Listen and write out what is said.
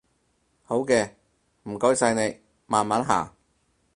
好嘅，唔該晒你，慢慢行